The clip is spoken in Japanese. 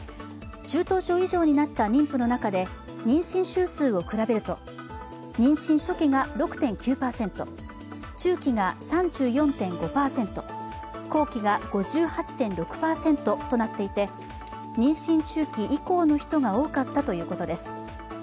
中等症以上になった妊婦の中で妊娠週数を比べると妊娠初期が６．９％中期が３４．５％後期が５８．６％となっていて妊娠中期以降の人が多かったということです。